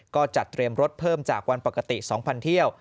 ก็จัดเตรียมรถเพิ่มจากวันปกติ๒๐๐เที่ยว